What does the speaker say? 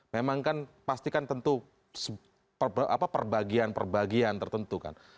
memang kan pastikan tentu perbagian perbagian tertentu kan